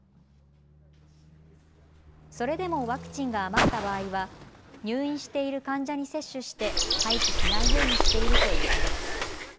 それでもワクチンが余った場合は入院している患者に接種して廃棄しないようにしているということです。